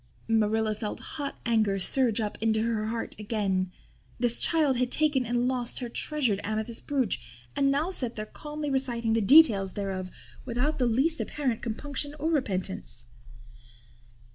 Marilla felt hot anger surge up into her heart again. This child had taken and lost her treasured amethyst brooch and now sat there calmly reciting the details thereof without the least apparent compunction or repentance.